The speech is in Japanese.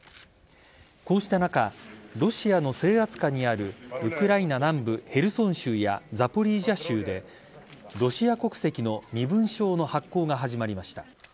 こうした中ロシアの制圧下にあるウクライナ南部ヘルソン州やザポリージャ州でロシア国籍の身分証の発行が始まりました。